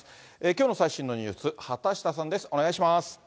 きょうの最新のニュース、畑下さんです。